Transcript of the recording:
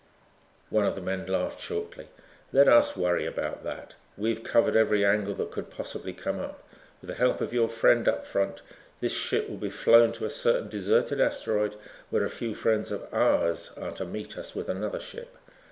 One of the men laughed shortly. "Let us worry about that. We've covered every angle that could possibly come up. With the help of your friend up front, this ship will be flown to a certain deserted asteroid where a few friends of ours are to meet us with another ship.